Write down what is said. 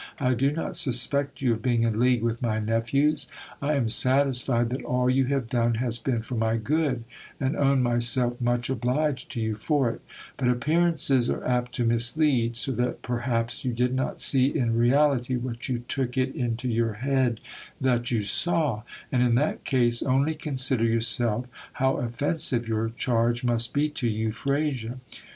I do not suspect you of being in league with my nephews. I am satisfied that all you have done has been for my good, and own myself much obliged to you for it ; but appear ances are apt to mislead, so that perhaps you did not see in reality what you took it into your head that you saw ; and in that case, only consider yourself how offensive your charge must be to Euphrasia.